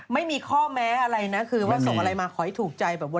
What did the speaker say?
ไม่มีข้อแม้อะไรนะส่งอะไรมาขอให้ถูกใจ